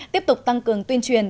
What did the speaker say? tiếp tục tăng cường tuyên truyền